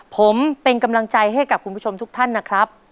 ผมเป็นกำลังใจให้กับคุณผู้ชมทุกท่านนะครับ